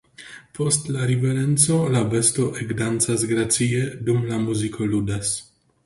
Post la riverenco la besto ekdancas gracie, dum la muziko ludas.